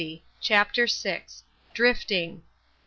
CHAPTER VI. DRIFTING.